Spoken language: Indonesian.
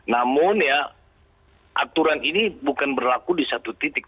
namun ya aturan ini bukan berlaku di satu titik